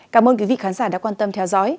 cảm ơn quý vị khán giả đã quan tâm theo dõi